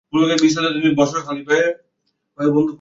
এই জন্যই কি তোমার মুডটা এখন খারাপ?